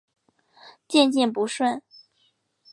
渐渐不顺